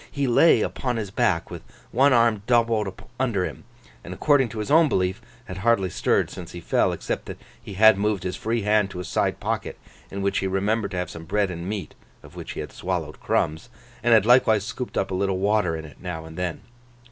He lay upon his back with one arm doubled under him, and according to his own belief had hardly stirred since he fell, except that he had moved his free hand to a side pocket, in which he remembered to have some bread and meat (of which he had swallowed crumbs), and had likewise scooped up a little water in it now and then.